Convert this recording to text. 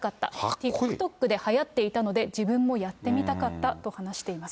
ＴｉｋＴｏｋではやっていたので、自分もやってみたかったと話しています。